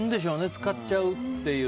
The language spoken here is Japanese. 使っちゃうという。